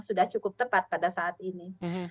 sudah cukup tepat pada saat ini